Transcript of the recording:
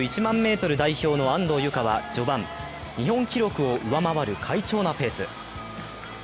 ｍ代表の安藤友香は序盤、日本記録を上回る快調なペース。